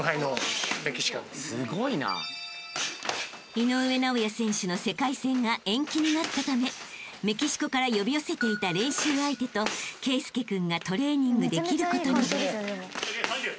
［井上尚弥選手の世界戦が延期になったためメキシコから呼び寄せていた練習相手と圭佑君がトレーニングできることに］